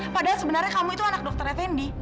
padahal sebenarnya kamu itu anak dokter effendi